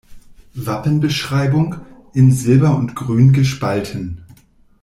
Wappenbeschreibung: In Silber und Grün gespalten.